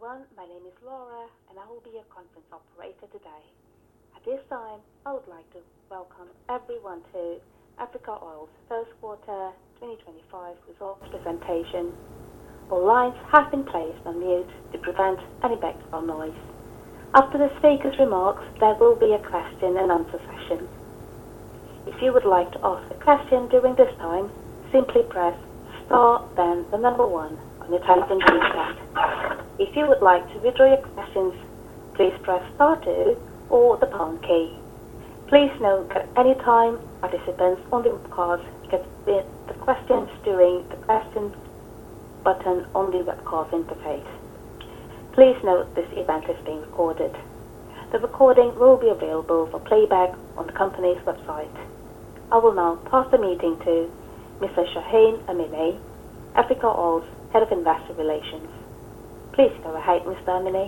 Hello, everyone. My name is Laura, and I will be your conference operator today. At this time, I would like to welcome everyone to Africa Oil's First Quarter 2025 Results Presentation. All lines have been placed on mute to prevent any effect from noise. After the speakers' remarks, there will be a question and answer session. If you would like to ask a question during this time, simply press Star, then the number one on your telephone keypad. If you would like to withdraw your questions, please press Star 2 or the pound key. Please note that at any time participants on the call can submit their questions using the question button on the web call interface. Please note this event is being recorded. The recording will be available for playback on the company's website. I will now pass the meeting to Mr. Shahin Amini, Africa Oil's Head of Investor Relations. Please go ahead, Mr. Amini.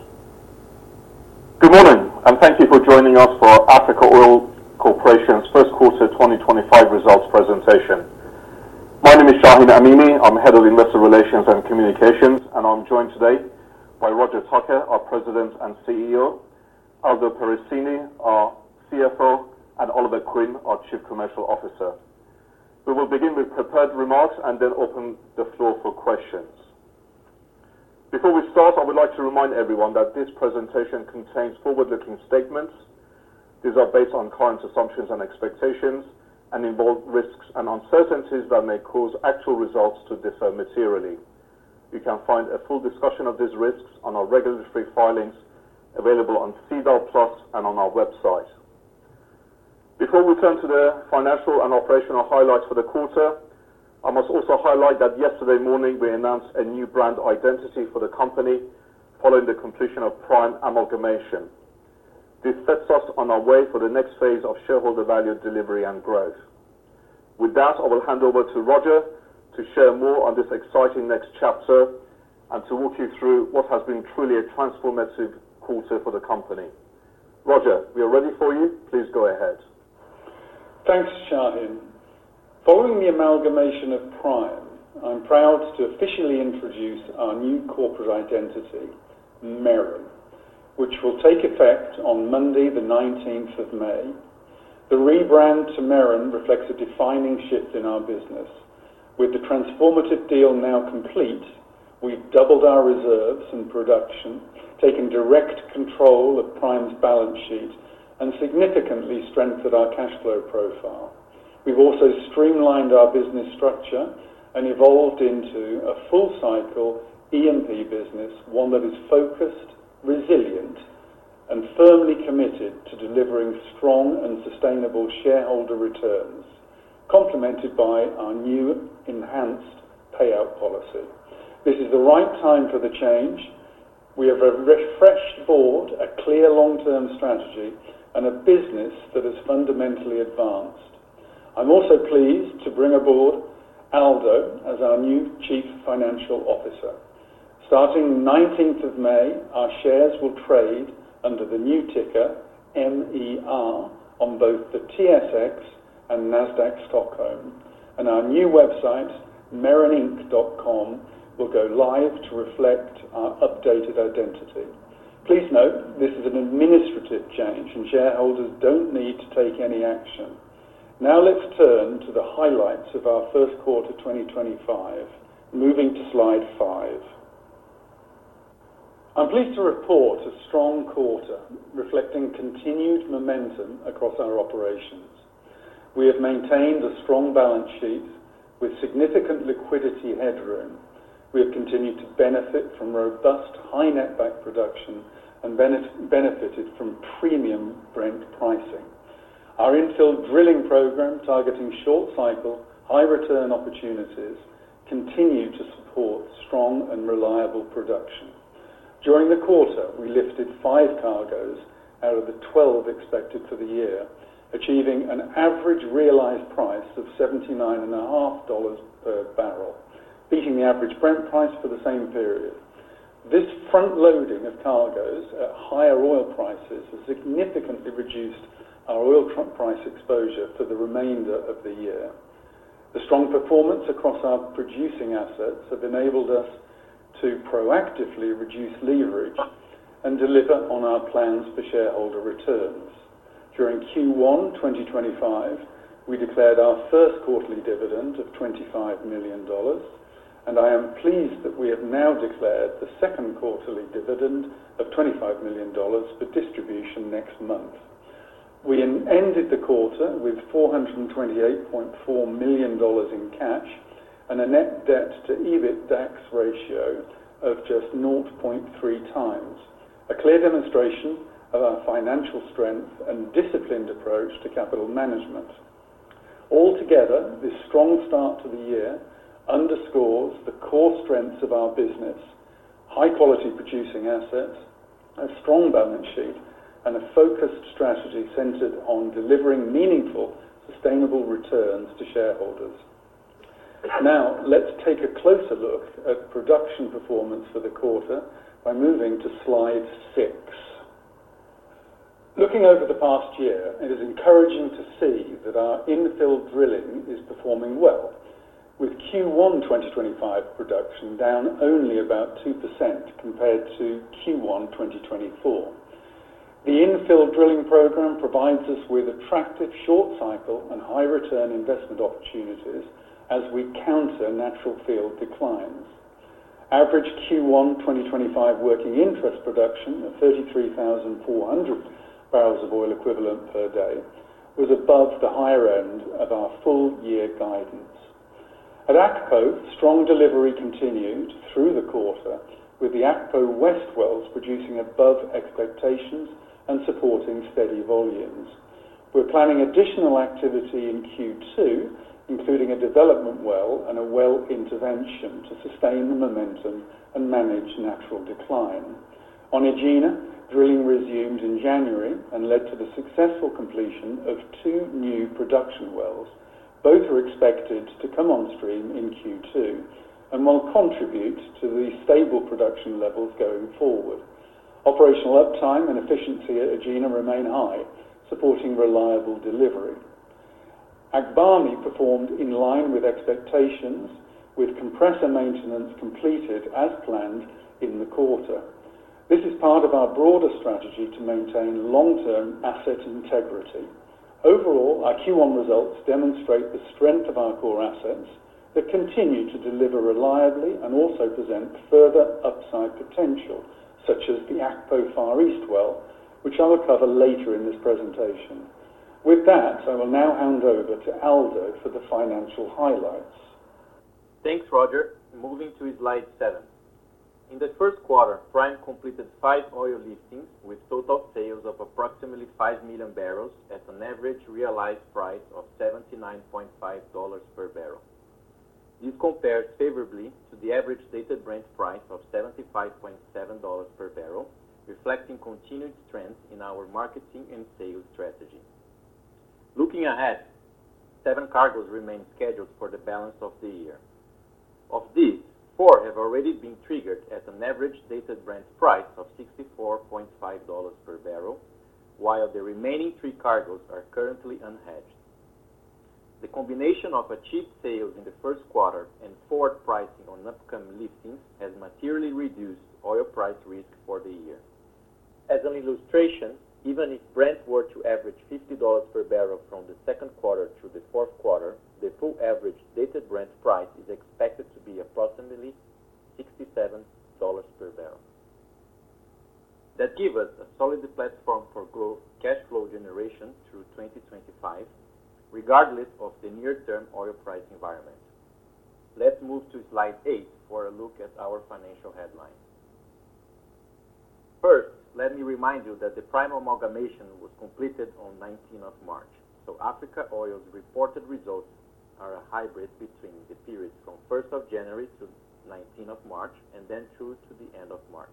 Good morning, and thank you for joining us for Africa Oil Corporation's First Quarter 2025 Results Presentation. My name is Shahin Amini. I'm Head of Investor Relations and Communications, and I'm joined today by Roger Tucker, our President and CEO; Aldo Perracini, our CFO; and Oliver Quinn, our Chief Commercial Officer. We will begin with prepared remarks and then open the floor for questions. Before we start, I would like to remind everyone that this presentation contains forward-looking statements. These are based on current assumptions and expectations and involve risks and uncertainties that may cause actual results to differ materially. You can find a full discussion of these risks on our regulatory filings available on SEDAR+ and on our website. Before we turn to the financial and operational highlights for the quarter, I must also highlight that yesterday morning we announced a new brand identity for the company following the completion of Prime amalgamation. This sets us on our way for the next phase of shareholder value delivery and growth. With that, I will hand over to Roger to share more on this exciting next chapter and to walk you through what has been truly a transformative quarter for the company. Roger, we are ready for you. Please go ahead. Thanks, Shahin. Following the amalgamation of Prime, I'm proud to officially introduce our new corporate identity, Meren, which will take effect on Monday, the 19th of May. The rebrand to Meren reflects a defining shift in our business. With the transformative deal now complete, we've doubled our reserves in production, taken direct control of Prime's balance sheet, and significantly strengthened our cash flow profile. We've also streamlined our business structure and evolved into a full-cycle E&P business, one that is focused, resilient, and firmly committed to delivering strong and sustainable shareholder returns, complemented by our new enhanced payout policy. This is the right time for the change. We have a refreshed board, a clear long-term strategy, and a business that is fundamentally advanced. I'm also pleased to bring aboard Aldo as our new Chief Financial Officer. Starting the 19th of May, our shares will trade under the new ticker MER on both the TSX and NASDAQ Stockholm, and our new website, mereninc.com, will go live to reflect our updated identity. Please note this is an administrative change, and shareholders do not need to take any action. Now let's turn to the highlights of our first quarter 2025. Moving to slide five. I'm pleased to report a strong quarter reflecting continued momentum across our operations. We have maintained a strong balance sheet with significant liquidity headroom. We have continued to benefit from robust high netback production and benefited from premium Brent pricing. Our infill drilling program targeting short-cycle high-return opportunities continues to support strong and reliable production. During the quarter, we lifted five cargoes out of the 12 expected for the year, achieving an average realized price of $79.5 per barrel, beating the average Brent price for the same period. This front-loading of cargoes at higher oil prices has significantly reduced our oil truck price exposure for the remainder of the year. The strong performance across our producing assets has enabled us to proactively reduce leverage and deliver on our plans for shareholder returns. During Q1 2025, we declared our first quarterly dividend of $25 million, and I am pleased that we have now declared the second quarterly dividend of $25 million for distribution next month. We ended the quarter with $428.4 million in cash and a net debt to EBITDAX ratio of just 0.3 times, a clear demonstration of our financial strength and disciplined approach to capital management. Altogether, this strong start to the year underscores the core strengths of our business: high-quality producing assets, a strong balance sheet, and a focused strategy centered on delivering meaningful, sustainable returns to shareholders. Now, let's take a closer look at production performance for the quarter by moving to slide six. Looking over the past year, it is encouraging to see that our infill drilling is performing well, with Q1 2025 production down only about 2% compared to Q1 2024. The infill drilling program provides us with attractive short-cycle and high-return investment opportunities as we counter natural field declines. Average Q1 2025 working interest production of 33,400 barrels of oil equivalent per day was above the higher end of our full-year guidance. At Akpo, strong delivery continued through the quarter, with the Akpo West Wells producing above expectations and supporting steady volumes. We're planning additional activity in Q2, including a development well and a well intervention to sustain the momentum and manage natural decline. On Egina, drilling resumed in January and led to the successful completion of two new production wells. Both are expected to come on stream in Q2 and will contribute to the stable production levels going forward. Operational uptime and efficiency at Egina remain high, supporting reliable delivery. Akbami performed in line with expectations, with compressor maintenance completed as planned in the quarter. This is part of our broader strategy to maintain long-term asset integrity. Overall, our Q1 results demonstrate the strength of our core assets that continue to deliver reliably and also present further upside potential, such as the Akpo Far East well, which I will cover later in this presentation. With that, I will now hand over to Aldo for the financial highlights. Thanks, Roger. Moving to slide seven. In the first quarter, Prime completed five oil listings with total sales of approximately 5 million barrels at an average realized price of $79.5 per barrel. This compares favorably to the average stated Brent price of $75.7 per barrel, reflecting continued strength in our marketing and sales strategy. Looking ahead, seven cargoes remain scheduled for the balance of the year. Of these, four have already been triggered at an average stated Brent price of $64.5 per barrel, while the remaining three cargoes are currently unhedged. The combination of achieved sales in the first quarter and forward pricing on upcoming listings has materially reduced oil price risk for the year. As an illustration, even if Brent were to average $50 per barrel from the second quarter to the fourth quarter, the full average stated Brent price is expected to be approximately $67 per barrel. That gives us a solid platform for growth cash flow generation through 2025, regardless of the near-term oil price environment. Let's move to slide eight for a look at our financial headlines. First, let me remind you that the Prime amalgamation was completed on 19th of March. So Africa Oil's reported results are a hybrid between the periods from 1st of January to 19th of March and then through to the end of March.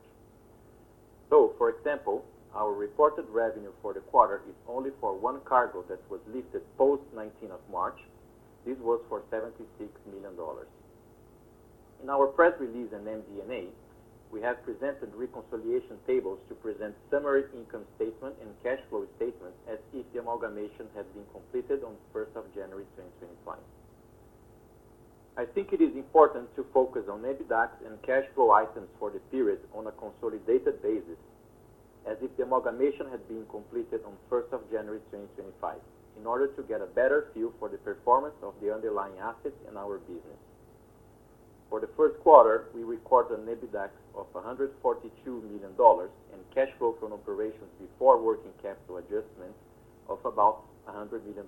For example, our reported revenue for the quarter is only for one cargo that was lifted post-19th of March. This was for $76 million. In our press release and MD&A, we have presented reconciliation tables to present summary income statement and cash flow statement as if the amalgamation had been completed on 1st of January 2025. I think it is important to focus on EBITDA and cash flow items for the period on a consolidated basis, as if the amalgamation had been completed on 1st of January 2025, in order to get a better feel for the performance of the underlying assets in our business. For the first quarter, we recorded an EBITDAX of $142 million and cash flow from operations before working capital adjustment of about $100 million,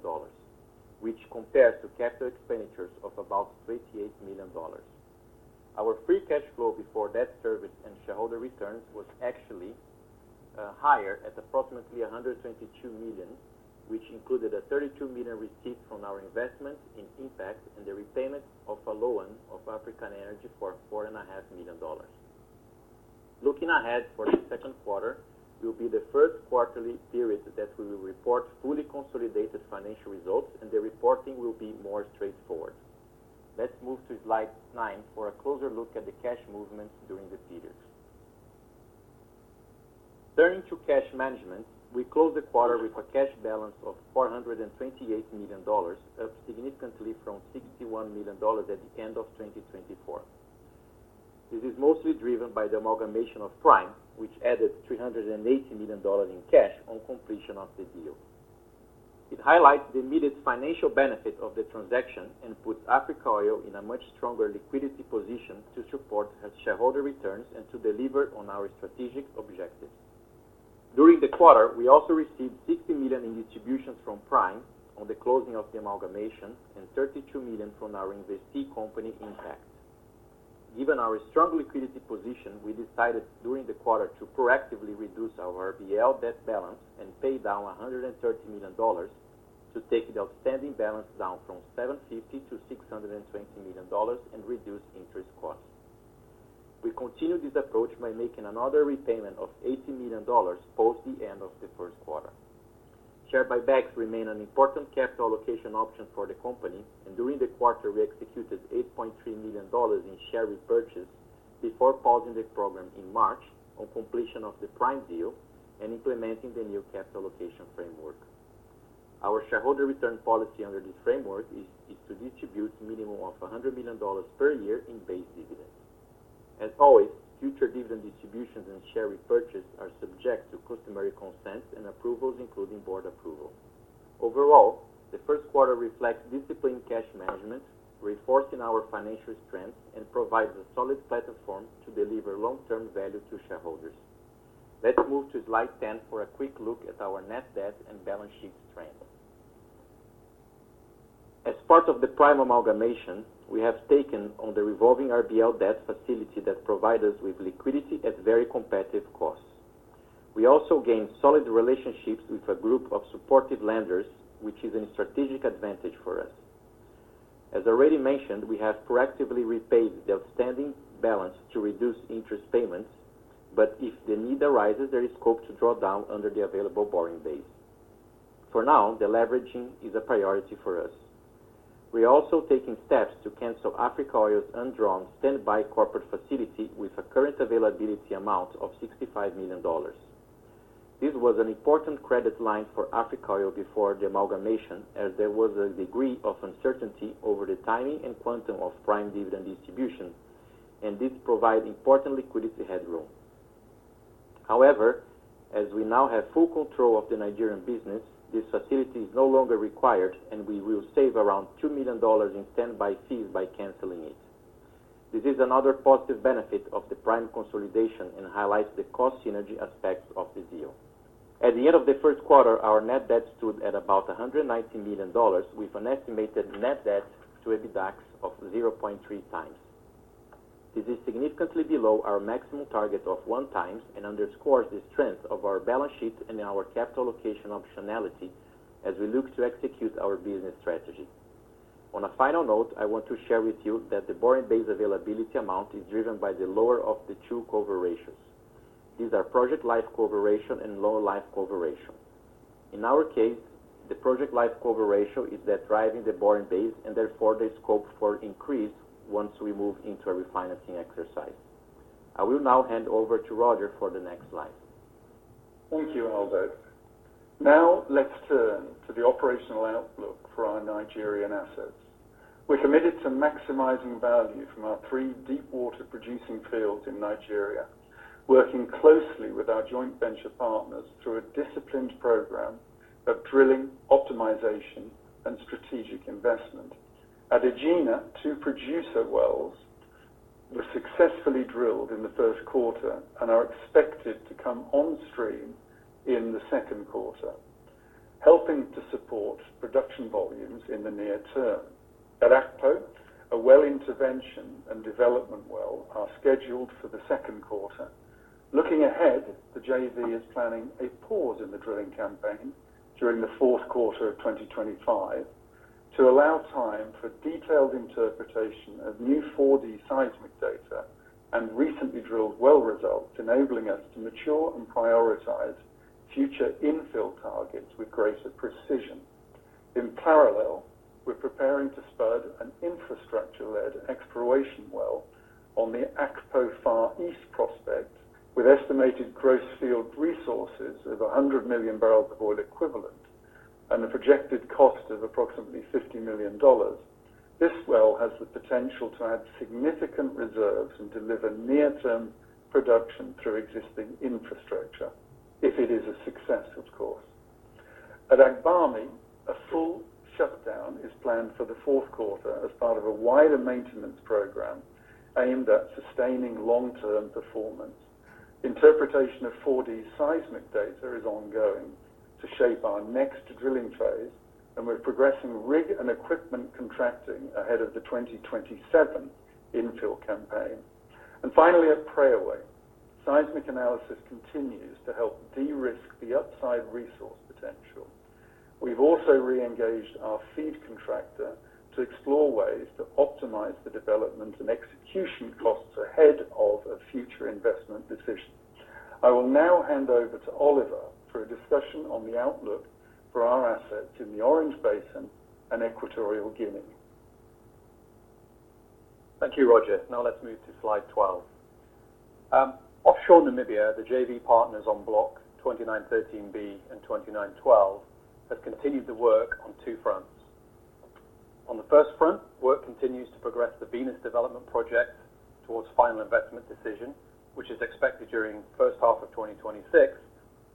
which compares to capital expenditures of about $28 million. Our free cash flow before debt service and shareholder returns was actually higher at approximately $122 million, which included a $32 million receipt from our investment in Impact and the repayment of a loan of African Energy for $4.5 million. Looking ahead for the second quarter, will be the first quarterly period that we will report fully consolidated financial results, and the reporting will be more straightforward. Let's move to slide nine for a closer look at the cash movements during the periods. Turning to cash management, we closed the quarter with a cash balance of $428 million, up significantly from $61 million at the end of 2024. This is mostly driven by the amalgamation of Prime, which added $380 million in cash on completion of the deal. It highlights the immediate financial benefit of the transaction and puts Africa Oil in a much stronger liquidity position to support shareholder returns and to deliver on our strategic objectives. During the quarter, we also received $60 million in distributions from Prime on the closing of the amalgamation and $32 million from our investee company Impact. Given our strong liquidity position, we decided during the quarter to proactively reduce our RBL debt balance and pay down $130 million to take the outstanding balance down from $750 million-$620 million and reduce interest costs. We continued this approach by making another repayment of $80 million post the end of the first quarter. Share buybacks remain an important capital allocation option for the company, and during the quarter, we executed $8.3 million in share repurchase before pausing the program in March on completion of the Prime deal and implementing the new capital allocation framework. Our shareholder return policy under this framework is to distribute a minimum of $100 million per year in base dividends. As always, future dividend distributions and share repurchase are subject to customary consents and approvals, including board approval. Overall, the first quarter reflects disciplined cash management, reinforcing our financial strength and provides a solid platform to deliver long-term value to shareholders. Let's move to slide 10 for a quick look at our net debt and balance sheet strength. As part of the Prime amalgamation, we have taken on the revolving RBL debt facility that provides us with liquidity at very competitive costs. We also gained solid relationships with a group of supportive lenders, which is a strategic advantage for us. As already mentioned, we have proactively repaid the outstanding balance to reduce interest payments, but if the need arises, there is scope to draw down under the available borrowing base. For now, deleveraging is a priority for us. We are also taking steps to cancel Africa Oil's undrawn standby corporate facility with a current availability amount of $65 million. This was an important credit line for Africa Oil before the amalgamation, as there was a degree of uncertainty over the timing and quantum of Prime dividend distribution, and this provides important liquidity headroom. However, as we now have full control of the Nigerian business, this facility is no longer required, and we will save around $2 million in standby fees by canceling it. This is another positive benefit of the Prime consolidation and highlights the cost synergy aspects of the deal. At the end of the first quarter, our net debt stood at about $190 million, with an estimated net debt to EBITDAX of 0.3 times. This is significantly below our maximum target of one times and underscores the strength of our balance sheet and our capital allocation optionality as we look to execute our business strategy. On a final note, I want to share with you that the borrowing base availability amount is driven by the lower of the two cover ratios. These are project life cover ratio and loan life cover ratio. In our case, the project life cover ratio is that driving the borrowing base and therefore the scope for increase once we move into a refinancing exercise. I will now hand over to Roger for the next slide. Thank you, Aldo. Now, let's turn to the operational outlook for our Nigerian assets. We're committed to maximizing value from our three deepwater producing fields in Nigeria, working closely with our joint venture partners through a disciplined program of drilling, optimization, and strategic investment. At Egina, two producer wells were successfully drilled in the first quarter and are expected to come on stream in the second quarter, helping to support production volumes in the near term. At Akpo, a well intervention and development well are scheduled for the second quarter. Looking ahead, the JV is planning a pause in the drilling campaign during the fourth quarter of 2025 to allow time for detailed interpretation of new 4D seismic data and recently drilled well results, enabling us to mature and prioritize future infill targets with greater precision. In parallel, we're preparing to spud an infrastructure-led exploration well on the Akpo Far East prospect with estimated gross field resources of 100 million barrels of oil equivalent and a projected cost of approximately $50 million. This well has the potential to add significant reserves and deliver near-term production through existing infrastructure if it is a success, of course. At Agbami, a full shutdown is planned for the fourth quarter as part of a wider maintenance program aimed at sustaining long-term performance. Interpretation of 4D seismic data is ongoing to shape our next drilling phase, and we're progressing rig and equipment contracting ahead of the 2027 infill campaign. Finally, at Preowei, seismic analysis continues to help de-risk the upside resource potential. We've also re-engaged our FEED contractor to explore ways to optimize the development and execution costs ahead of a future investment decision. I will now hand over to Oliver for a discussion on the outlook for our assets in the Orange Basin and Equatorial Guinea. Thank you, Roger. Now, let's move to slide 12. Offshore Namibia, the JV partners on Block 2913B and 2912 have continued the work on two fronts. On the first front, work continues to progress the Venus development project towards final investment decision, which is expected during the first half of 2026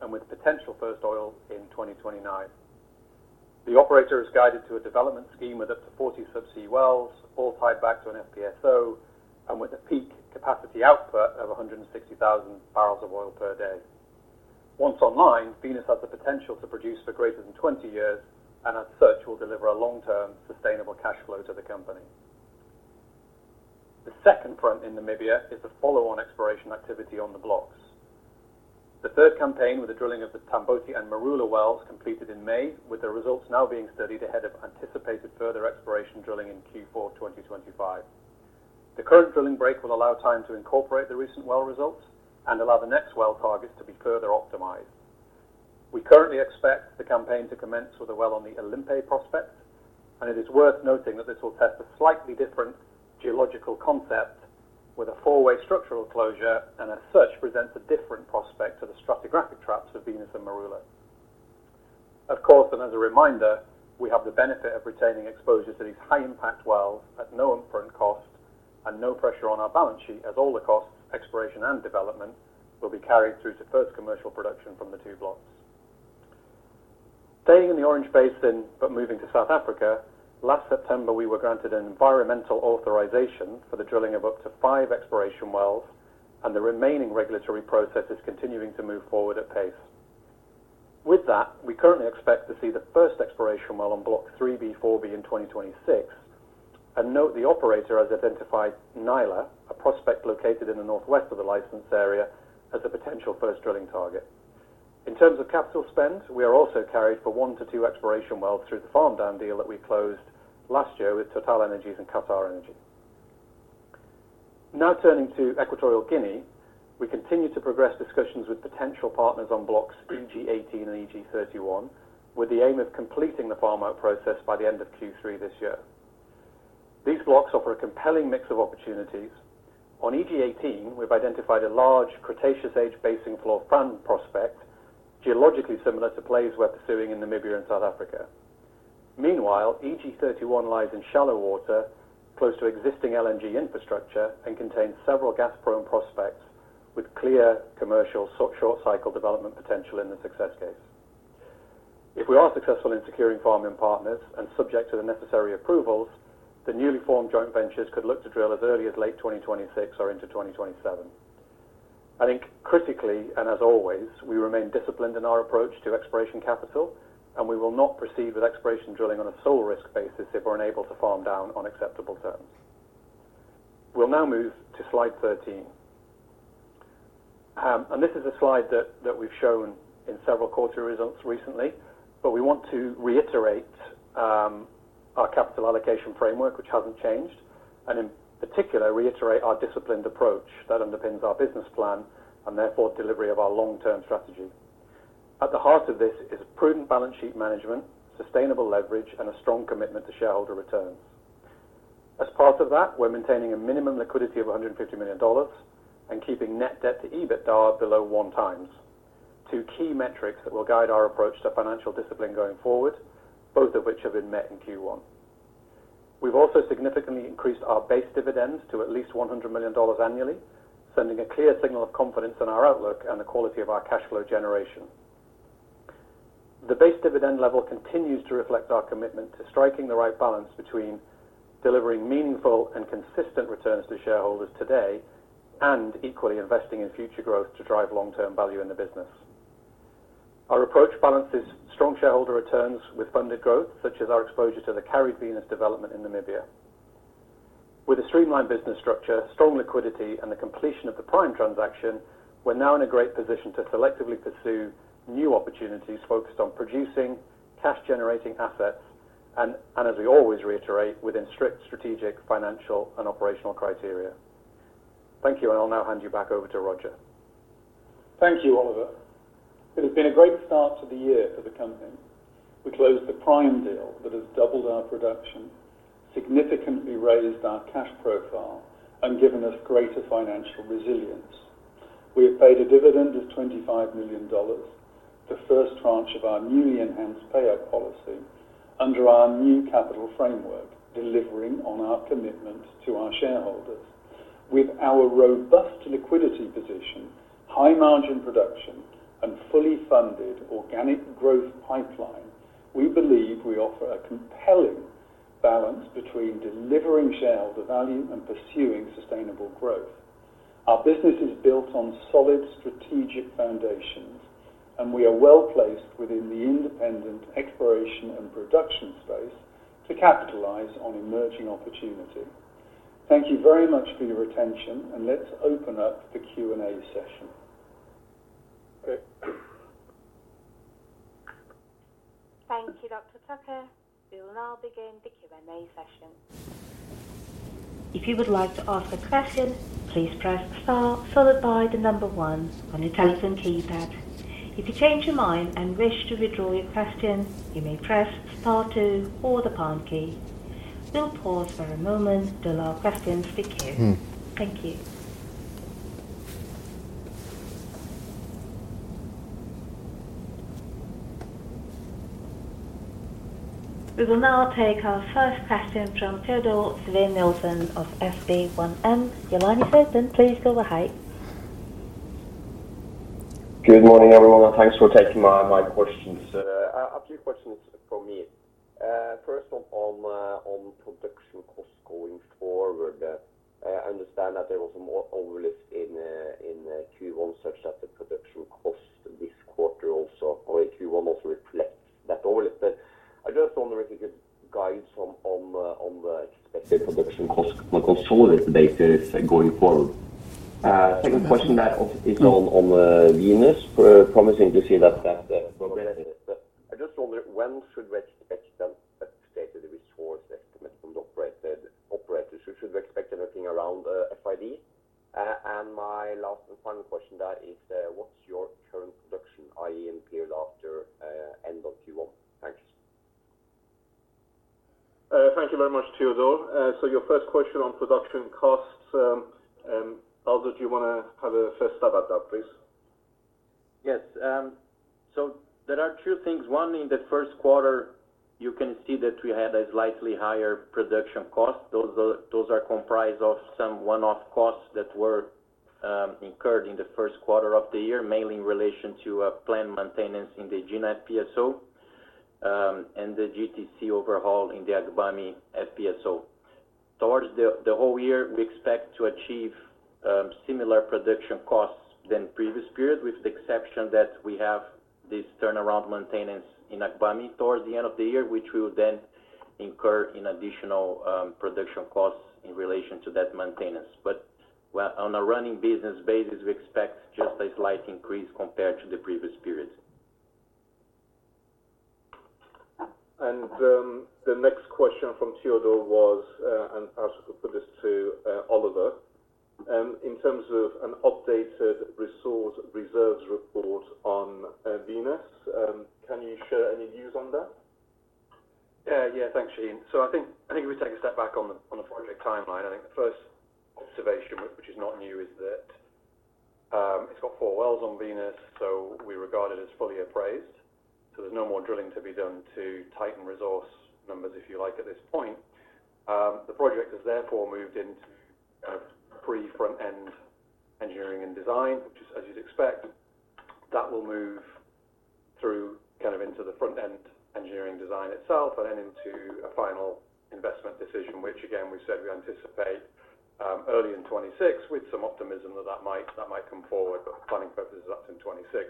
and with potential first oil in 2029. The operator is guided to a development scheme with up to 40 subsea wells, all tied back to an FPSO and with a peak capacity output of 160,000 barrels of oil per day. Once online, Venus has the potential to produce for greater than 20 years and, as such, will deliver a long-term sustainable cash flow to the company. The second front in Namibia is the follow-on exploration activity on the blocks. The third campaign with the drilling of the Tamboti and Marula wells completed in May, with the results now being studied ahead of anticipated further exploration drilling in Q4 2025. The current drilling break will allow time to incorporate the recent well results and allow the next well targets to be further optimized. We currently expect the campaign to commence with a well on the Olympe prospect, and it is worth noting that this will test a slightly different geological concept with a four-way structural closure, and as such, presents a different prospect to the stratigraphic traps of Venus and Marula. Of course, and as a reminder, we have the benefit of retaining exposure to these high-impact wells at no upfront cost and no pressure on our balance sheet, as all the costs, exploration and development, will be carried through to first commercial production from the two blocks. Staying in the Orange Basin but moving to South Africa, last September, we were granted an environmental authorization for the drilling of up to five exploration wells, and the remaining regulatory process is continuing to move forward at pace. With that, we currently expect to see the first exploration well on Block 3B/4A in 2026, and note the operator has identified Nayla, a prospect located in the northwest of the license area, as a potential first drilling target. In terms of capital spend, we are also carried for one-two exploration wells through the farm down deal that we closed last year with TotalEnergies and QatarEnergy. Now turning to Equatorial Guinea, we continue to progress discussions with potential partners on blocks EG-18 and EG-31 with the aim of completing the farm-out process by the end of Q3 this year. These blocks offer a compelling mix of opportunities. On EG-18, we've identified a large Cretaceous age basin floor prime prospect, geologically similar to plays we're pursuing in Namibia and South Africa. Meanwhile, EG-31 lies in shallow water close to existing LNG infrastructure and contains several gas-prone prospects with clear commercial short-cycle development potential in the success case. If we are successful in securing farming partners and subject to the necessary approvals, the newly formed joint ventures could look to drill as early as late 2026 or into 2027. I think critically, and as always, we remain disciplined in our approach to exploration capital, and we will not proceed with exploration drilling on a sole risk basis if we're unable to farm down on acceptable terms. We'll now move to slide 13. This is a slide that we've shown in several quarter results recently, but we want to reiterate our capital allocation framework, which hasn't changed, and in particular, reiterate our disciplined approach that underpins our business plan and therefore delivery of our long-term strategy. At the heart of this is prudent balance sheet management, sustainable leverage, and a strong commitment to shareholder returns. As part of that, we're maintaining a minimum liquidity of $150 million and keeping net debt to EBITDA below one times, two key metrics that will guide our approach to financial discipline going forward, both of which have been met in Q1. We've also significantly increased our base dividend to at least $100 million annually, sending a clear signal of confidence in our outlook and the quality of our cash flow generation. The base dividend level continues to reflect our commitment to striking the right balance between delivering meaningful and consistent returns to shareholders today and equally investing in future growth to drive long-term value in the business. Our approach balances strong shareholder returns with funded growth, such as our exposure to the carried Venus development in Namibia. With a streamlined business structure, strong liquidity, and the completion of the Prime transaction, we're now in a great position to selectively pursue new opportunities focused on producing cash-generating assets and, as we always reiterate, within strict strategic, financial, and operational criteria. Thank you, and I'll now hand you back over to Roger. Thank you, Oliver. It has been a great start to the year for the company. We closed the Prime deal that has doubled our production, significantly raised our cash profile, and given us greater financial resilience. We have paid a dividend of $25 million, the first tranche of our newly enhanced payout policy under our new capital framework, delivering on our commitment to our shareholders. With our robust liquidity position, high-margin production, and fully funded organic growth pipeline, we believe we offer a compelling balance between delivering shareholder value and pursuing sustainable growth. Our business is built on solid strategic foundations, and we are well placed within the independent exploration and production space to capitalize on emerging opportunity. Thank you very much for your attention, and let's open up the Q&A session. Thank you, Dr. Tucker. We will now begin the Q&A session. If you would like to ask a question, please press Star, followed by the number one on your telephone keypad. If you change your mind and wish to withdraw your question, you may press Star 2 or the pound key. We'll pause for a moment to allow questions to be quizzed. Thank you. We will now take our first question from Teodor Sveen-Nilsenof SB1M. Your line is open, please go ahead. Good morning, everyone, and thanks for taking my questions. A few questions for me. First, on production costs going forward, I understand that [there was some overlapping in Q1, such that the production costs this quarter] also reflect that overlap. I just wonder if you could guide some on the expected production costs on a consolidated basis going forward. Second question is on Venus, promising to see that progress. I just wondered, when should we expect an updated resource estimate from the operators? Should we expect anything around FID? And my last and final question is, what's your current production, i.e., in period after end of Q1? Thanks. Thank you very much, Theodore. So your first question on production costs, Aldo, do you want to have a first stab at that, please? Yes. So there are two things. One, in the first quarter, you can see that we had a slightly higher production cost. Those are comprised of some one-off costs that were incurred in the first quarter of the year, mainly in relation to planned maintenance in the Egine FPSO and the GTC overhaul in the Agbami FPSO. Towards the whole year, we expect to achieve similar production costs than previous period, with the exception that we have this turnaround maintenance in Agbami towards the end of the year, which will then incur in additional production costs in relation to that maintenance. But on a running business basis, we expect just a slight increase compared to the previous period. The next question from Theodore was, and I'll put this to Oliver, in terms of an updated resource reserves report on Venus, can you share any views on that? Yeah, thanks, Shahin. I think if we take a step back on the project timeline, the first observation, which is not new, is that it's got four wells on Venus, so we regard it as fully appraised. There's no more drilling to be done to tighten resource numbers, if you like, at this point. The project has therefore moved into pre-front-end engineering and design, which is, as you'd expect, that will move through into the front-end engineering design itself and then into a final investment decision, which, again, we've said we anticipate early in 2026 with some optimism that that might come forward, but for planning purposes, that's in 2026.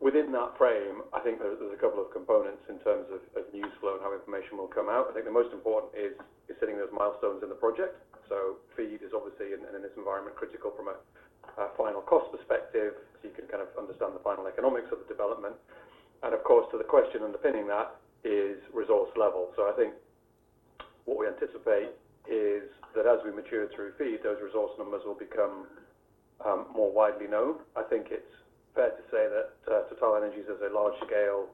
Within that frame, I think there's a couple of components in terms of news flow and how information will come out. I think the most important is setting those milestones in the project. FEED is obviously, and in this environment, critical from a final cost perspective, so you can kind of understand the final economics of the development. Of course, to the question underpinning that is resource level. I think what we anticipate is that as we mature through FEED, those resource numbers will become more widely known. I think it's fair to say that TotalEnergies, as a large-scale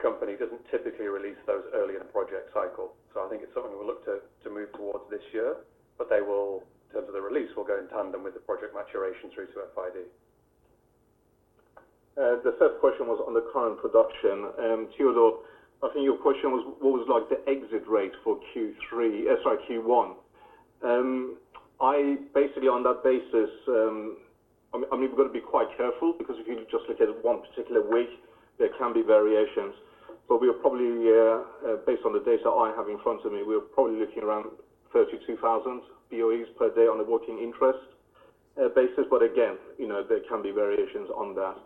company, does not typically release those early in a project cycle. I think it's something we'll look to move towards this year, but they will, in terms of the release, go in tandem with the project maturation through to FID. The first question was on the current production. Teodor, I think your question was, what was the exit rate for Q3, sorry, Q1. Basically, on that basis, I mean, we've got to be quite careful because if you just look at one particular week, there can be variations. We are probably, based on the data I have in front of me, we're probably looking around 32,000 BOEs per day on a working interest basis. Again, there can be variations on that.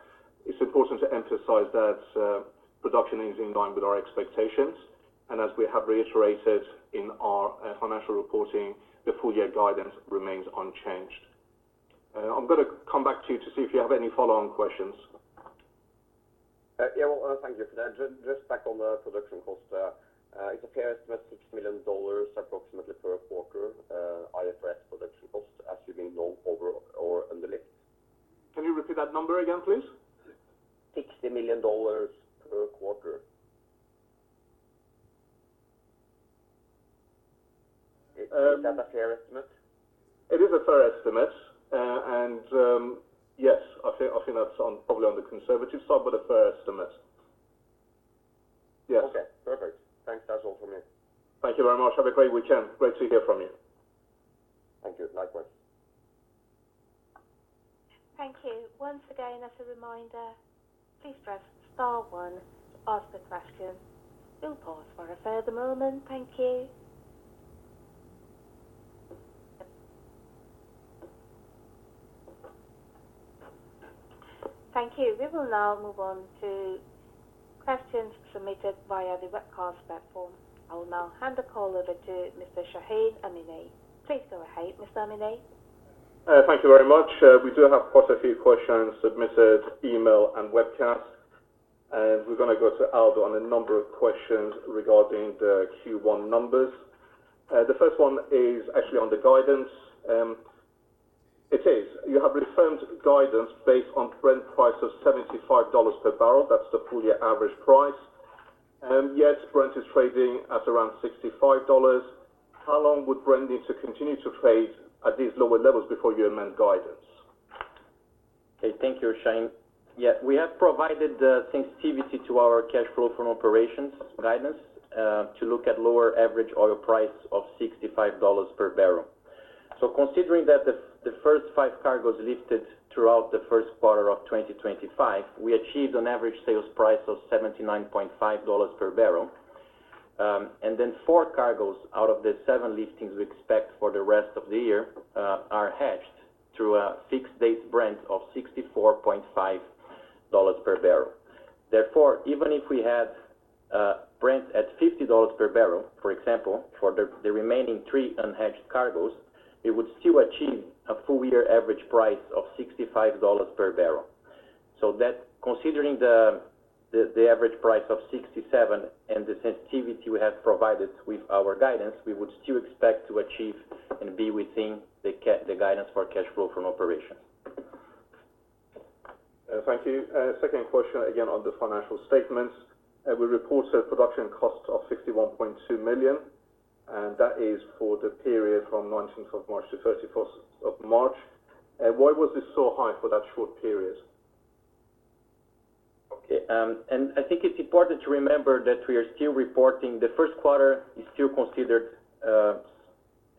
It's important to emphasize that production is in line with our expectations. As we have reiterated in our financial reporting, the full year guidance remains unchanged. I'm going to come back to you to see if you have any follow-on questions. Yeah, thank you for that. Just back on the production cost, it's a fair estimate of [$60 million] approximately per quarter, IFRS production cost, assuming no over or underlifted. Can you repeat that number again, please? $60 million per quarter. Is that a fair estimate? It is a fair estimate. Yes, I think that's probably on the conservative side, but a fair estimate. Yes. Okay, perfect. Thanks. That's all from me. Thank you very much. Have a great weekend. Great to hear from you. Thank you. Likewise. Thank you. Once again, as a reminder, please press Star 1 to ask a question. We'll pause for a further moment. Thank you. Thank you. We will now move on to questions submitted via the webcast platform. I will now hand the call over to Mr. Shahin Amini. Please go ahead, Mr. Amini. Thank you very much. We do have quite a few questions submitted, email and webcast. We are going to go to Aldo on a number of questions regarding the Q1 numbers. The first one is actually on the guidance. It is, you have referenced guidance based on Brent price of $75 per barrel. That is the full year average price. Yet, Brent is trading at around $65. How long would Brent need to continue to trade at these lower levels before you amend guidance? Okay, thank you, Shahin. Yeah, we have provided sensitivity to our cash flow from operations guidance to look at lower average oil price of $65 per barrel. Considering that the first five cargoes lifted throughout the first quarter of 2025, we achieved an average sales price of $79.5 per barrel. Four cargoes out of the seven liftings we expect for the rest of the year are hedged to a fixed-date Brent of $64.5 per barrel. Therefore, even if we had Brent at $50 per barrel, for example, for the remaining three unhedged cargoes, we would still achieve a full year average price of $65 per barrel. Considering the average price of $67 and the sensitivity we have provided with our guidance, we would still expect to achieve and be within the guidance for cash flow from operations. Thank you. Second question, again, on the financial statements. We reported production costs of $51.2 million, and that is for the period from 19th of March to 31st of March. Why was this so high for that short period? Okay. I think it's important to remember that we are still reporting the first quarter is still considered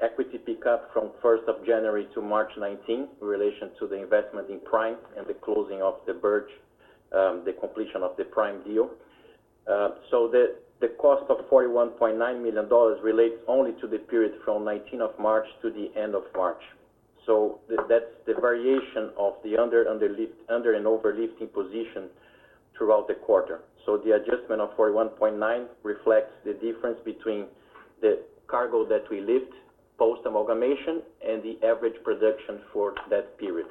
equity pickup from 1st of January to March 19th in relation to the investment in Prime and the closing of the deal, the completion of the Prime deal. The cost of $41.9 million relates only to the period from 19th of March to the end of March. That's the variation of the under and overlifting position throughout the quarter. The adjustment of $41.9 million reflects the difference between the cargo that we lift post-amalgamation and the average production for that period.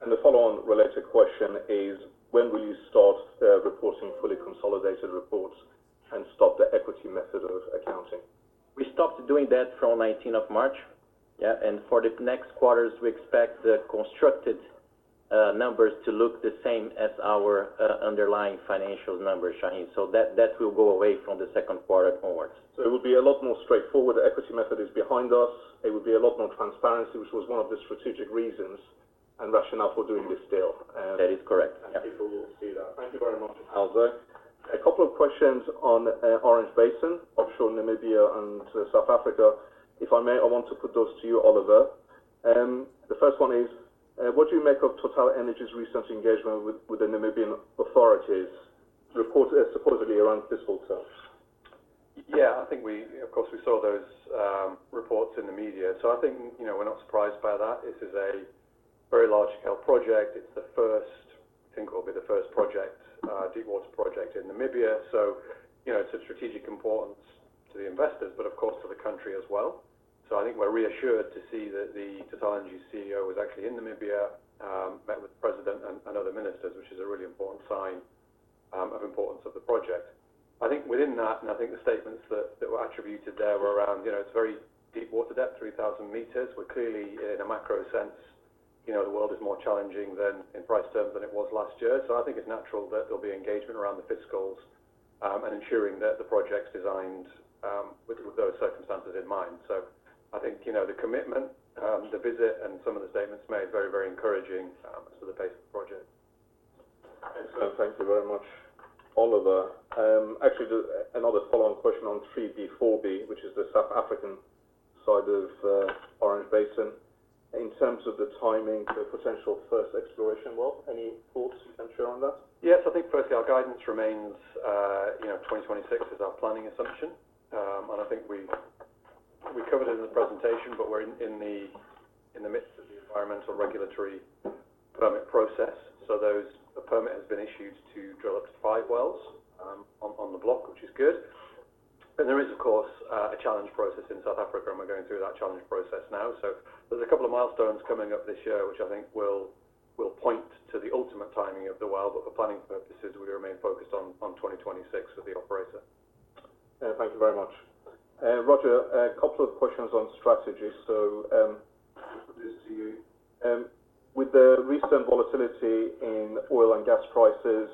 The follow-on related question is, when will you start reporting fully consolidated reports and stop the equity method of accounting? We stopped doing that from 19th of March. Yeah. For the next quarters, we expect the constructed numbers to look the same as our underlying financial numbers, Shahin. That will go away from the second quarter onwards. It would be a lot more straightforward. The equity method is behind us. It would be a lot more transparency, which was one of the strategic reasons and rationale for doing this deal. That is correct. People will see that. Thank you very much, Aldo. A couple of questions on Orange Basin, offshore Namibia and South Africa. If I may, I want to put those to you, Oliver. The first one is, what do you make of TotalEnergies' recent engagement with the Namibian authorities reported supposedly around fiscal terms? Yeah, I think we, of course, we saw those reports in the media. I think we're not surprised by that. This is a very large-scale project. It's the first, I think it will be the first deep-water project in Namibia. It's of strategic importance to the investors, but of course, to the country as well. I think we're reassured to see that the TotalEnergies' CEO was actually in Namibia, met with the president and other ministers, which is a really important sign of importance of the project. I think within that, and I think the statements that were attributed there were around its very deep-water depth, 3,000 meters. We're clearly, in a macro sense, the world is more challenging in price terms than it was last year. I think it's natural that there'll be engagement around the fiscals and ensuring that the project's designed with those circumstances in mind. I think the commitment, the visit, and some of the statements made very, very encouraging as to the pace of the project. Excellent. Thank you very much, Oliver. Actually, another follow-on question on 3B/4B, which is the South African side of Orange Basin. In terms of the timing for potential first exploration, what? Any thoughts you can share on that? Yes. I think, firstly, our guidance remains 2026 is our planning assumption. I think we covered it in the presentation, but we're in the midst of the environmental regulatory permit process. The permit has been issued to drill up to five wells on the block, which is good. There is, of course, a challenge process in South Africa, and we're going through that challenge process now. There are a couple of milestones coming up this year, which I think will point to the ultimate timing of the well. For planning purposes, we remain focused on 2026 with the operator. Thank you very much. Roger, a couple of questions on strategy. So I'll put this to you. With the recent volatility in oil and gas prices,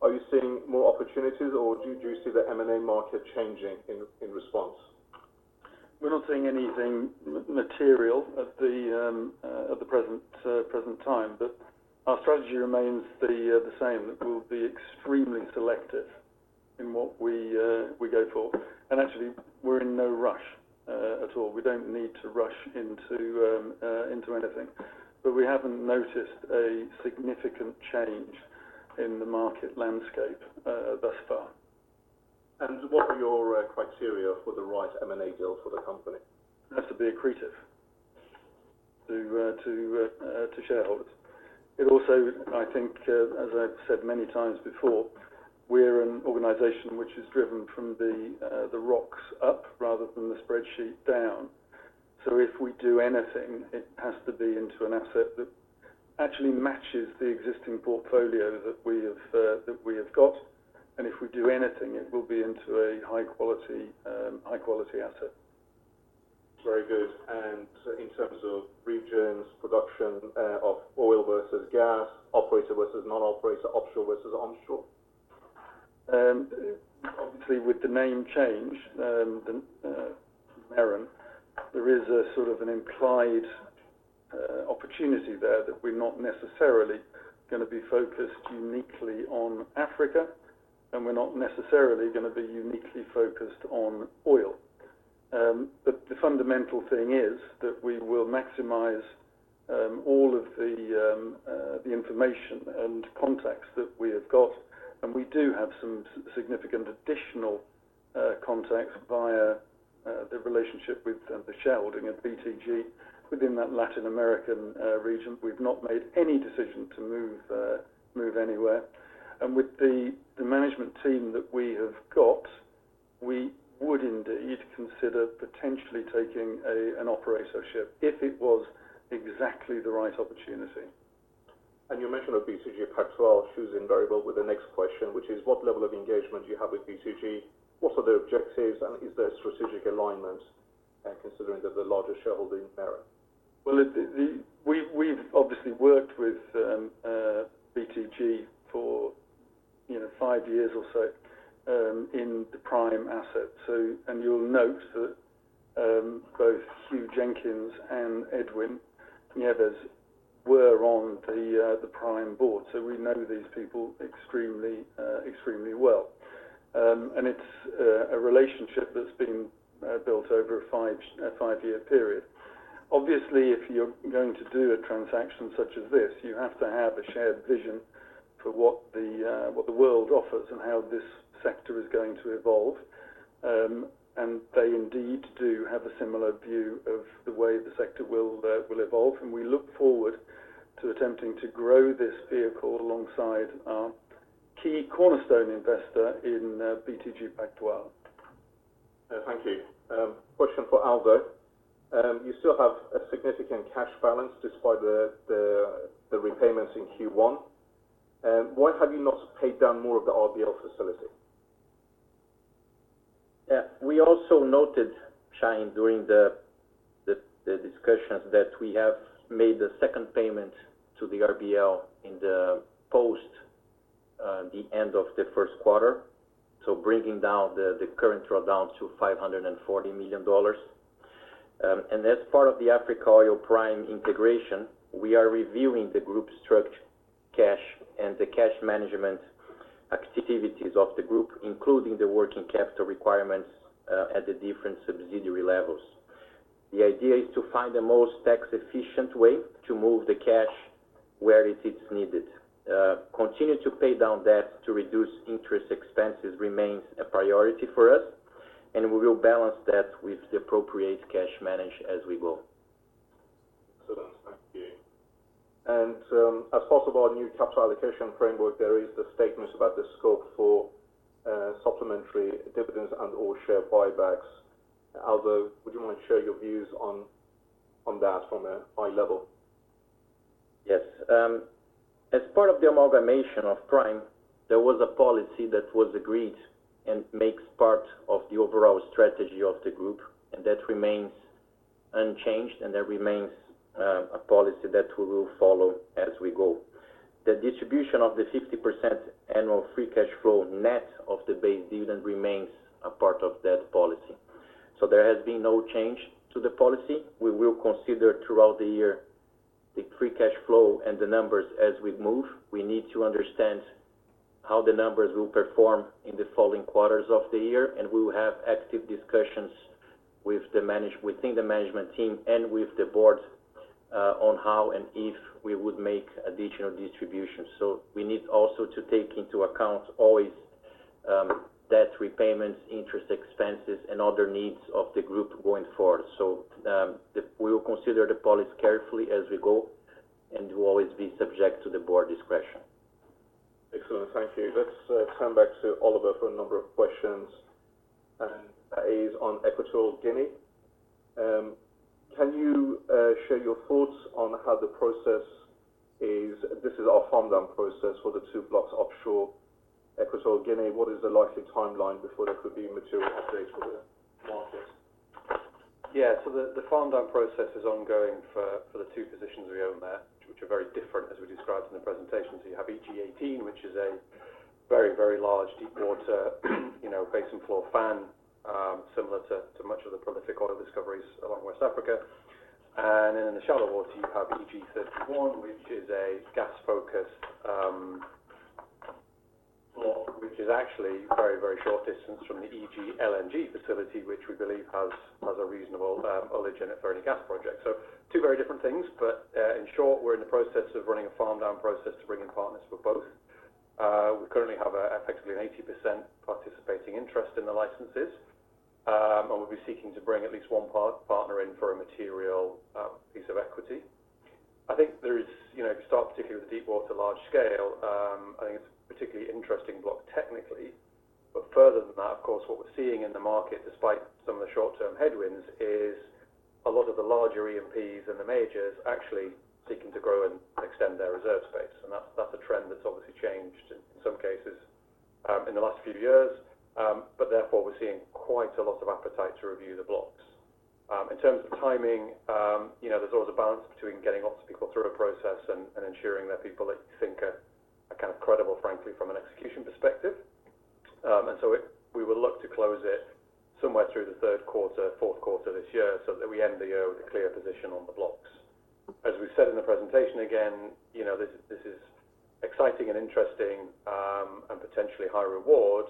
are you seeing more opportunities, or do you see the M&A market changing in response? We're not seeing anything material at the present time. Our strategy remains the same, that we'll be extremely selective in what we go for. Actually, we're in no rush at all. We don't need to rush into anything. We haven't noticed a significant change in the market landscape thus far. What are your criteria for the right M&A deal for the company? It has to be accretive to shareholders. It also, I think, as I've said many times before, we're an organization which is driven from the rocks up rather than the spreadsheet down. If we do anything, it has to be into an asset that actually matches the existing portfolio that we have got. If we do anything, it will be into a high-quality asset. Very good. In terms of regions, production of oil versus gas, operator versus non-operator, offshore versus onshore? Obviously, with the name change, Meren, there is a sort of an implied opportunity there that we're not necessarily going to be focused uniquely on Africa, and we're not necessarily going to be uniquely focused on oil. The fundamental thing is that we will maximize all of the information and contacts that we have got. We do have some significant additional contacts via the relationship with shareholding at BTG within that Latin American region. We've not made any decision to move anywhere. With the management team that we have got, we would indeed consider potentially taking an operatorship if it was exactly the right opportunity. You mentioned that BTG Pactual, she was invariable with the next question, which is, what level of engagement do you have with BTG? What are the objectives? And is there strategic alignment considering that the larger shareholder in Meren? We've obviously worked with BTG for five years or so in the Prime asset. You'll note that both Huw Jenkins and Edwyn Neves were on the Prime board. We know these people extremely well. It's a relationship that's been built over a five-year period. Obviously, if you're going to do a transaction such as this, you have to have a shared vision for what the world offers and how this sector is going to evolve. They indeed do have a similar view of the way the sector will evolve. We look forward to attempting to grow this vehicle alongside our key cornerstone investor in BTG Pactual. Thank you. Question for Aldo. You still have a significant cash balance despite the repayments in Q1. Why have you not paid down more of the RBL facility? Yeah. We also noted, Shahin, during the discussions that we have made the second payment to the RBL in the post, the end of the first quarter. Bringing down the current drawdown to $540 million. As part of the Africa Oil Prime integration, we are reviewing the group's structured cash and the cash management activities of the group, including the working capital requirements at the different subsidiary levels. The idea is to find the most tax-efficient way to move the cash where it is needed. Continue to pay down debt to reduce interest expenses remains a priority for us. We will balance that with the appropriate cash manage as we go. Excellent. Thank you. As possible, a new capital allocation framework, there is the statements about the scope for supplementary dividends and all share buybacks. Aldo, would you want to share your views on that from a high level? Yes. As part of the amalgamation of Prime, there was a policy that was agreed and makes part of the overall strategy of the group. That remains unchanged. That remains a policy that we will follow as we go. The distribution of the 50% annual free cash flow net of the base dividend remains a part of that policy. There has been no change to the policy. We will consider throughout the year the free cash flow and the numbers as we move. We need to understand how the numbers will perform in the following quarters of the year. We will have active discussions within the management team and with the board on how and if we would make additional distributions. We need also to take into account always debt repayments, interest expenses, and other needs of the group going forward. We will consider the policy carefully as we go and will always be subject to the board discretion. Excellent. Thank you. Let's turn back to Oliver for a number of questions. That is on Equatorial Guinea. Can you share your thoughts on how the process is? This is our farm down process for the two blocks offshore Equatorial Guinea. What is the likely timeline before there could be material updates for the market? Yeah. The farm down process is ongoing for the two positions we own there, which are very different as we described in the presentation. You have EG-18, which is a very, very large deepwater basin floor fan, similar to much of the prolific oil discoveries along West Africa. In the shallow water, you have EG-31, which is a gas-focused block, which is actually a very, very short distance from the EG LNG facility, which we believe has a reasonable ullage for any gas project. Two very different things. In short, we're in the process of running a farm down process to bring in partners for both. We currently have effectively an 80% participating interest in the licenses. We'll be seeking to bring at least one partner in for a material piece of equity. I think there is, if you start particularly with the deep-water large scale, I think it's a particularly interesting block technically. Further than that, of course, what we're seeing in the market, despite some of the short-term headwinds, is a lot of the larger E&Ps and the majors actually seeking to grow and extend their reserve space. That's a trend that's obviously changed in some cases in the last few years. Therefore, we're seeing quite a lot of appetite to review the blocks. In terms of timing, there's always a balance between getting lots of people through a process and ensuring that people that you think are kind of credible, frankly, from an execution perspective. We will look to close it somewhere through the third quarter, fourth quarter this year so that we end the year with a clear position on the blocks. As we said in the presentation again, this is exciting and interesting and potentially high reward.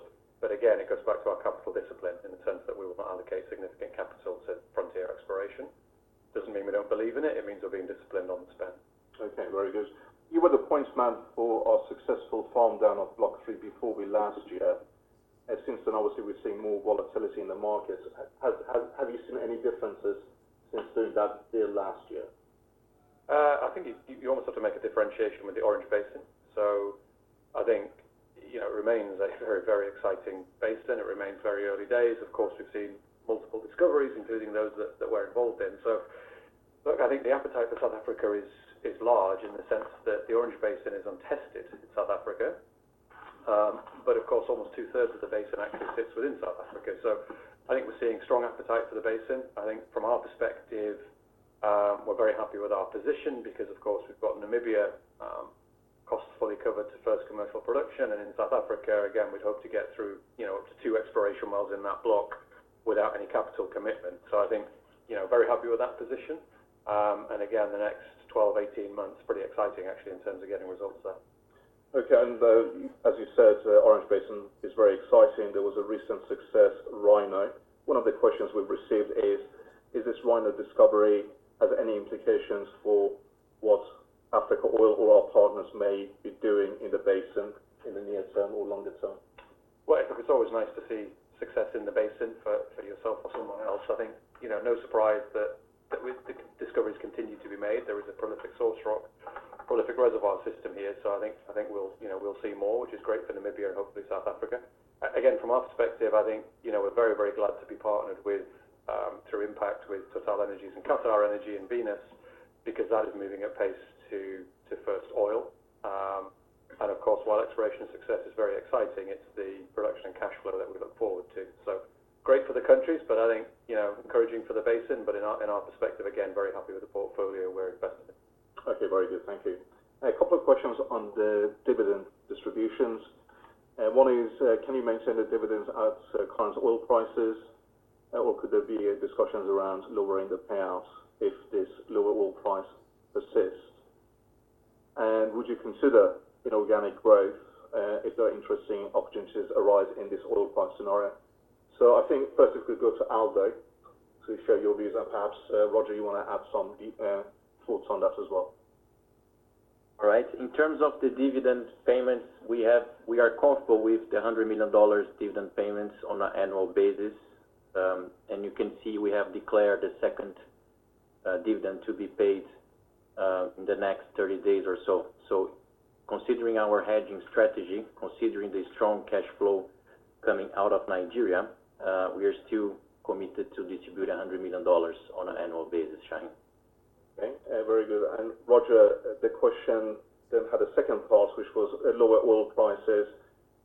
Again, it goes back to our capital discipline in the sense that we will not allocate significant capital to frontier exploration. It does not mean we do not believe in it. It means we are being disciplined on the spend. Okay. Very good. You were the points man for our successful farm down of Block 3B/4B last year. Since then, obviously, we've seen more volatility in the markets. Have you seen any differences since doing that deal last year? I think you almost have to make a differentiation with the Orange Basin. I think it remains a very, very exciting basin. It remains very early days. Of course, we've seen multiple discoveries, including those that we're involved in. Look, I think the appetite for South Africa is large in the sense that the Orange Basin is untested in South Africa. Of course, almost two-thirds of the basin actually sits within South Africa. I think we're seeing strong appetite for the basin. I think from our perspective, we're very happy with our position because, of course, we've got Namibia costs fully covered to first commercial production. In South Africa, again, we'd hope to get through up to two exploration wells in that block without any capital commitment. I think very happy with that position. The next 12-18 months, pretty exciting actually in terms of getting results there. Okay. As you said, Orange Basin is very exciting. There was a recent success, Rhino. One of the questions we've received is, does this Rhino discovery have any implications for what Africa Oil or our partners may be doing in the basin in the near term or longer term? It is always nice to see success in the basin for yourself or someone else. I think no surprise that discoveries continue to be made. There is a prolific source rock, prolific reservoir system here. I think we will see more, which is great for Namibia and hopefully South Africa. Again, from our perspective, I think we are very, very glad to be partnered through Impact with TotalEnergies and QatarEnergy and Venus because that is moving at pace to first oil. Of course, while exploration success is very exciting, it is the production and cash flow that we look forward to. Great for the countries, but I think encouraging for the basin. In our perspective, again, very happy with the portfolio we are invested in. Okay. Very good. Thank you. A couple of questions on the dividend distributions. One is, can you maintain the dividends at current oil prices? Could there be discussions around lowering the payouts if this lower oil price persists? Would you consider inorganic growth if there are interesting opportunities arise in this oil price scenario? I think first, if we go to Aldo to share your views. Perhaps, Roger, you want to add some thoughts on that as well. All right. In terms of the dividend payments, we are comfortable with the $100 million dividend payments on an annual basis. You can see we have declared the second dividend to be paid in the next 30 days or so. Considering our hedging strategy, considering the strong cash flow coming out of Nigeria, we are still committed to distribute $100 million on an annual basis, Shahin. Okay. Very good. Roger, the question then had a second part, which was lower oil prices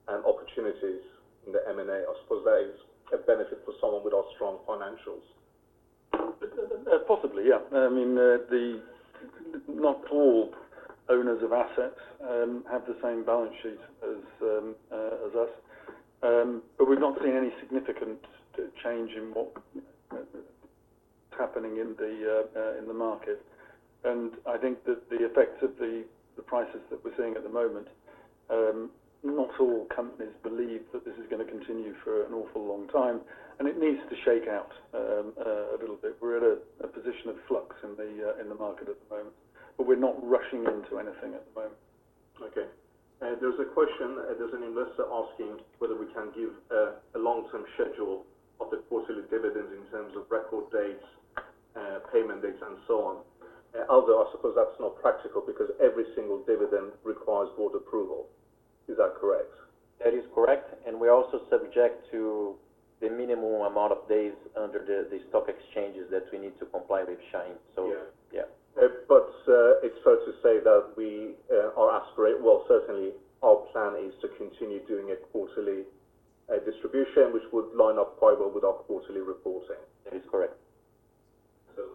and opportunities in the M&A. I suppose that is a benefit for someone with our strong financials. Possibly, yeah. I mean, not all owners of assets have the same balance sheet as us. We've not seen any significant change in what's happening in the market. I think that the effects of the prices that we're seeing at the moment, not all companies believe that this is going to continue for an awful long time. It needs to shake out a little bit. We're at a position of flux in the market at the moment. We're not rushing into anything at the moment. Okay. There is a question. There is an investor asking whether we can give a long-term schedule of the quarterly dividends in terms of record dates, payment dates, and so on. Aldo, I suppose that is not practical because every single dividend requires board approval. Is that correct? That is correct. We are also subject to the minimum amount of days under the stock exchanges that we need to comply with, Shahin. Yeah. It's fair to say that we are aspirate, well, certainly, our plan is to continue doing a quarterly distribution, which would line up quite well with our quarterly reporting. That is correct. Excellent.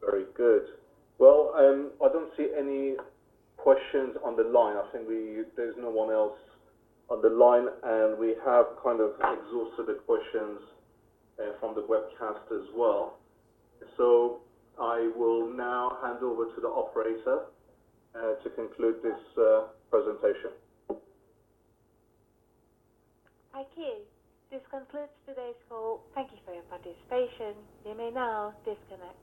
Very good. I do not see any questions on the line. I think there is no one else on the line. We have kind of exhausted the questions from the webcast as well. I will now hand over to the operator to conclude this presentation. Okay. This concludes today's call. Thank you for your participation. You may now disconnect.